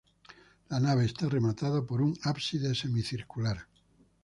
La nave está rematada por un ábside semicircular.